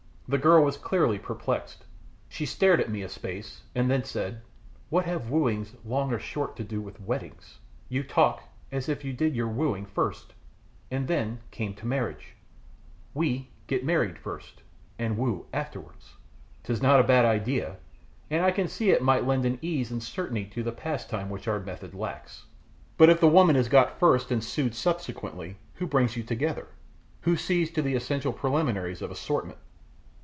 The girl was clearly perplexed. She stared at me a space, then said, "What have wooings long or short to do with weddings? You talk as if you did your wooing first and then came to marriage we get married first and woo afterwards!" "'Tis not a bad idea, and I can see it might lend an ease and certainty to the pastime which our method lacks. But if the woman is got first and sued subsequently, who brings you together? Who sees to the essential preliminaries of assortment?"